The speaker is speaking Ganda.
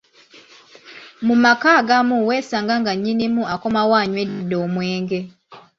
Mu maka agamu weesanga nga nnyinimu akomawo anywedde omwenge.